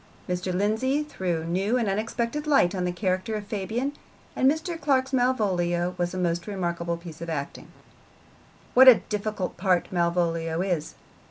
Mr. Lindsay threw new and unexpected light on the character of Fabian, and Mr. Clark's Malvolio was a most remarkable piece of acting. What a difficult part Malvolio is!